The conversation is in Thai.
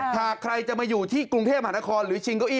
หากใครจะมาอยู่ที่กรุงเทพหานครหรือชิงเก้าอี